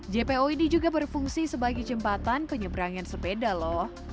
jpo ini juga berfungsi sebagai jembatan penyeberangan sepeda loh